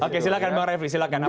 oke silahkan bang refli silahkan